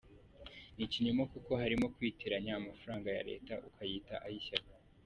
Ni ikinyoma kuko harimo kwitiranya amafaranga ya Leta, ukayita ay’ishyaka.